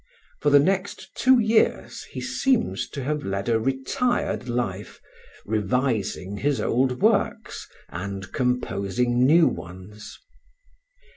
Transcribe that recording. For the next two years he seems to have led a retired life, revising his old works and composing new ones.